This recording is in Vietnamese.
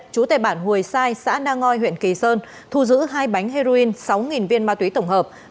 chú tài bản hùi sai xã đa ngoi huyện kỳ sơn thu giữ hai bánh heroin sáu viên ma túy tổng hợp